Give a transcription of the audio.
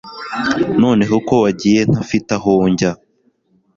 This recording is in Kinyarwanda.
noneho ko wagiye ntafite aho njya